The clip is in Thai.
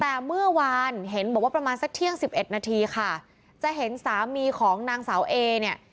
แต่เมื่อวานเห็นบอกว่าประมาณสักเที่ยงสิบเอ็ดนาทีค่ะจะเห็นสามีของนางสาวเอเนี่ย